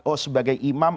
oh sebagai imam